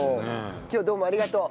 今日はどうもありがとう。